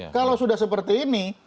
kalau sudah seperti ini